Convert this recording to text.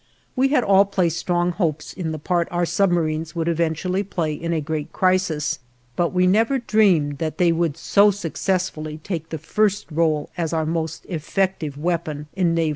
We had all placed strong hopes in the part our submarines would eventually play in a great crisis, but we never dreamed that they would so successfully take the first rôle as our most effective weapon in naval warfare.